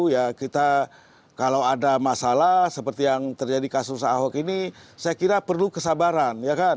ya kita kalau ada masalah seperti yang terjadi kasus ahok ini saya kira perlu kesabaran ya kan